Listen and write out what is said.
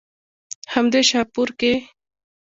هم دې شاهپور کښې